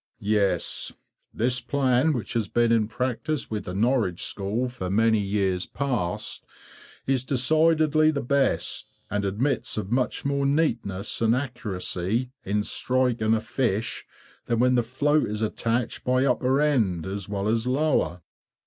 Yes, this plan which has been in practice with the "Norwich School" for many years past is decidedly the best, and admits of much more neatness and accuracy in striking a fish than when the float is attached by upper end as well as lower.